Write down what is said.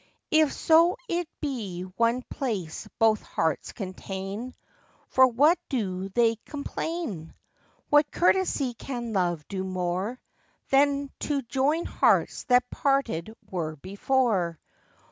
If so it be one place both hearts contain, For what do they complain? What courtesy can Love do more, Than to join hearts that parted were before?